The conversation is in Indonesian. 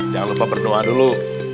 jangan lupa berdoa dulu